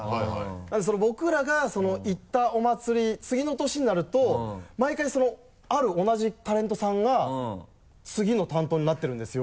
なんでその僕らが行ったお祭り次の年になると毎回ある同じタレントさんが次の担当になってるんですよ。